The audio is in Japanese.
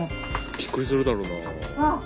びっくりするだろうな。